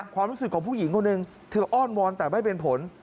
ความรู้สึกของผู้หญิงคนหนึ่งเธออ้อนวอนแต่ไม่เป็นผล